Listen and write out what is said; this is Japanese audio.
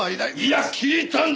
いや聞いたんだ！